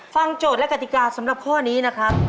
โจทย์และกติกาสำหรับข้อนี้นะครับ